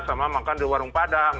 sama makan di warung padang